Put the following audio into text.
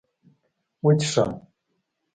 وچيښم